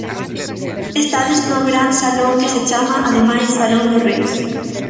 Estades no gran salón que se chama, ademais, salón dos Reis.